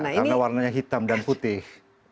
karena warnanya hitam dan putih